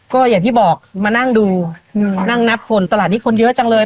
ก็อย่างที่บอกมานั่งดูนั่งนับคนตลาดนี้คนเยอะจังเลย